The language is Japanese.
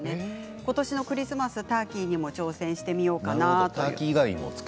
今年のクリスマスターキーに挑戦してみようかな。